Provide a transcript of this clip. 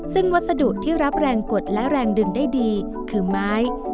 ซึ่งวัสดุที่รับแรงกดและแรงดึงได้ดีคือไม้